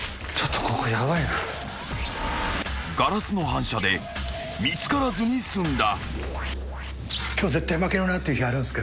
［ガラスの反射で見つからずに済んだ］